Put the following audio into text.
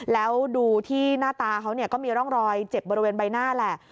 แล้วดูที่หน้าตาเขาก็มีร่องรอยเจ็บบริเวณใบหน้าแหละ